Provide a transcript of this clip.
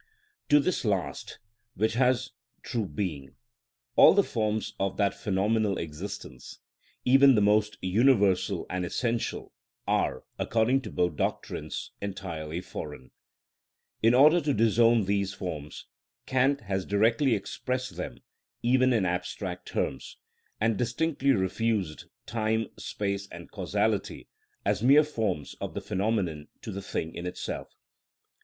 To this last, which has true being, all the forms of that phenomenal existence, even the most universal and essential, are, according to both doctrines, entirely foreign. In order to disown these forms Kant has directly expressed them even in abstract terms, and distinctly refused time, space, and causality as mere forms of the phenomenon to the thing in itself.